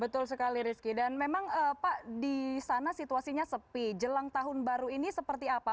betul sekali rizky dan memang pak di sana situasinya sepi jelang tahun baru ini seperti apa